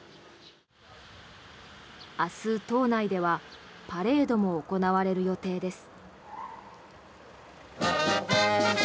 明日、島内ではパレードも行われる予定です。